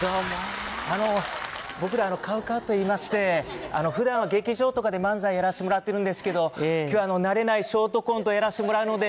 あの、僕ら、ＣＯＷＣＯＷといいまして、ふだんは劇場とかで漫才やらせてもらってるんですけど、きょうは慣れないショートコントやらしてもらうので。